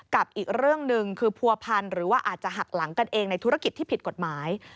กับอีกเรื่องหนึ่งคือผัวพันธ์หรือว่าอาจจะหักหลังกันเองในธุรกิจที่ผิดกฎหมาย